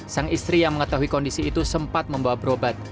sang istri yang mengetahui kondisi itu sempat membawa berobat